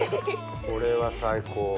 これは最高。